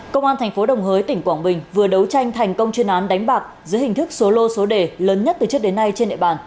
công an thành phố đồng hới tỉnh quảng bình vừa đấu tranh thành công chuyên án đánh bạc dưới hình thức số lô số đề lớn nhất từ trước đến nay trên địa bàn